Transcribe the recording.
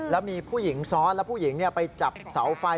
แล้วมีผู้หญิงซ้อนแล้วผู้หญิงไปจับเสาไฟ